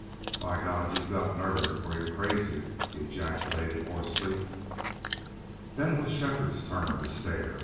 "By God! you've got nerve or you're crazy!" he ejaculated, hoarsely. Then it was Shefford's turn to stare.